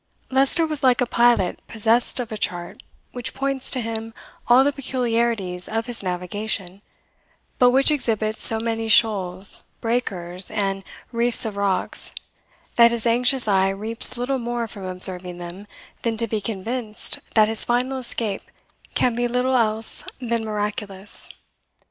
Leicester was like a pilot possessed of a chart which points out to him all the peculiarities of his navigation, but which exhibits so many shoals, breakers, and reefs of rocks, that his anxious eye reaps little more from observing them than to be convinced that his final escape can be little else than miraculous.